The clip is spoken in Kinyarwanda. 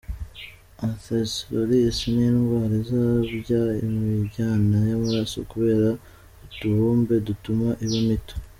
Atherosclerosis ni indwara izibya imijyana y’amaraso kubera utubumbe dutuma iba mito.